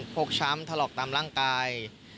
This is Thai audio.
กช้ำถลอกตามร่างกาย